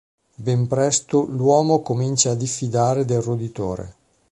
Ben presto l'uomo comincia a diffidare del roditore.